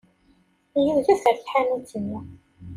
Yudef ɣer tḥanut-nni.